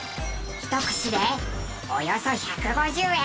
１串でおよそ１５０円。